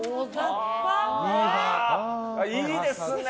いいですね。